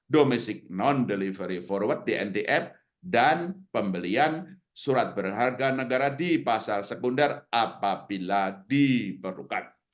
domestic non delivery forward dndf dan pembelian surat berharga negara di pasar sekunder apabila diperlukan